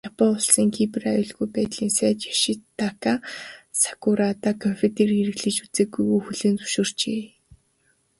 Япон улсын Кибер аюулгүй байдлын сайд Ёшитака Сакурада компьютер хэрэглэж үзээгүйгээ хүлээн зөвшөөрчээ.